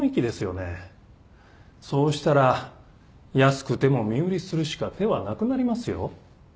そうしたら安くても身売りするしか手はなくなりますよ？